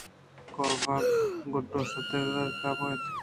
کاف ءِ گُد شُشتگ ءُتاپہ اِت اَنت